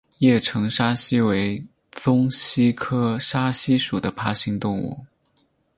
叶城沙蜥为鬣蜥科沙蜥属的爬行动物。